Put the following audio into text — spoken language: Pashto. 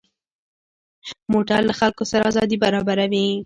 موټر له خلکو سره ازادي برابروي.